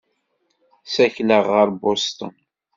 Ssakleɣ ɣer Bustun.